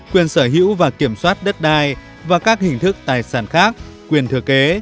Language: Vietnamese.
quyền sở hữu và kiểm soát đất đai và các hình thức tài sản khác quyền thừa kế